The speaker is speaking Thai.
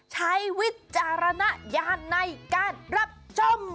วิจารณญาณในการรับชม